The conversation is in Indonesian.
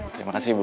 terima kasih bu